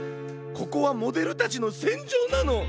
ここはモデルたちのせんじょうなの！